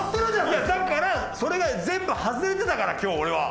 いやだからそれが全部外れてたから今日俺は。